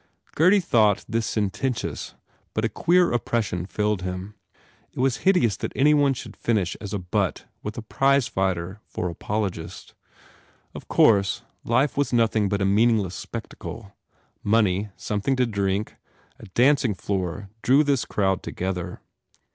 Gurdy thought this sententious but a queer oppression filled him. It was hideous that any one should finish as a butt with a prize fighter for apologist. Of course, life was nothing but a meaningless spectacle. Money, something to drink, a dancing floor drew this crowd together.